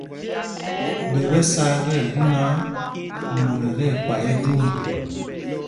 Ɗɛ ɓɛ sá tí ɛgu náǎ, mot ɛ tí ɛkpay ɛjwoo ê.